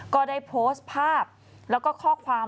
ก็ได้โพสต์ภาพแล้วก็ข้อความ